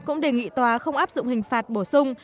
cũng đề nghị tòa không áp dụng hình phạt bổ sung